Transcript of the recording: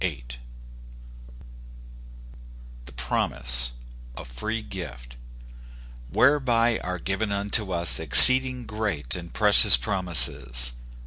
41 THE PROMISE A FREE GIFT. <' Whereby are given unto us exceeding great and precious promises."